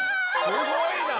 すごいな！